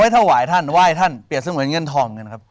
เถ้าหวายท่านไหว้ท่านเปรียบสมุนเงินทอมเงินครับ